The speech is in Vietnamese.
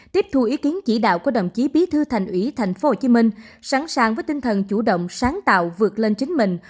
tiếp thu ý kiến chỉ đạo của đồng chí bí thư thành ủy tp hcm sẵn sàng với tinh thần chủ động sáng tạo vượt lên chính mình